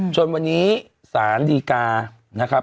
จนวันนี้สารดีกา